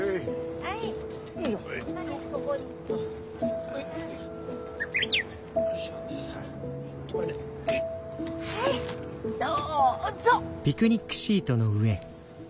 はいどうぞ。